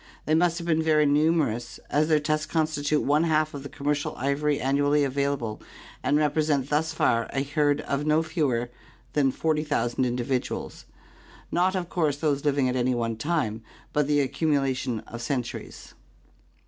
They must have been very numer ous, as their tusks constitute one half of the commercial ivory annually available and represent thus far a herd of no fewer than 40,000 individuals— not of course those living at any one time, but the accumulation of centuries.